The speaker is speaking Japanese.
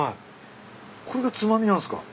これがつまみなんすか？